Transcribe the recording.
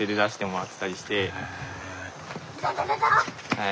はい！